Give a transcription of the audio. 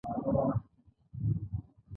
کنګل د دوه اوجونو دوره هم درلوده.